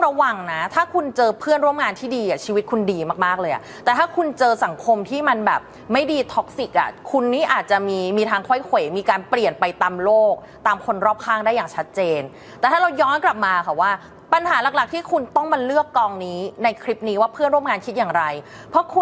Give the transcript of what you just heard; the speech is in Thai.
ระวังนะถ้าคุณเจอเพื่อนร่วมงานที่ดีอ่ะชีวิตคุณดีมากมากเลยอ่ะแต่ถ้าคุณเจอสังคมที่มันแบบไม่ดีท็อกซิกอ่ะคุณนี่อาจจะมีมีทางค่อยเขวมีการเปลี่ยนไปตามโลกตามคนรอบข้างได้อย่างชัดเจนแต่ถ้าเราย้อนกลับมาค่ะว่าปัญหาหลักหลักที่คุณต้องมาเลือกกองนี้ในคลิปนี้ว่าเพื่อนร่วมงานคิดอย่างไรเพราะคุณ